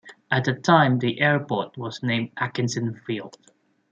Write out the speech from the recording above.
At that time the airport was named Atkinson Field.